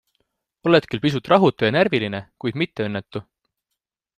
Oled küll pisut rahutu ja närviline, kuid mitte õnnetu.